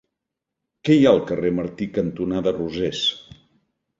Què hi ha al carrer Martí cantonada Rosés?